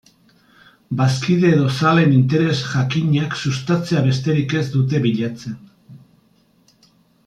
Bazkide edo zaleen interes jakinak sustatzea besterik ez dute bilatzen.